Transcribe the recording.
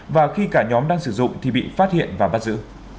và khi cả nhóm đang sử dụng thì bị phát hiện và bắt giữ